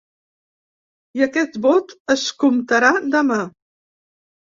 I aquest vot es comptarà demà.